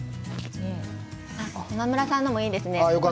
駒村さんのもいいですね。